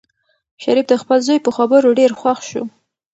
شریف د خپل زوی په خبرو ډېر خوښ شو.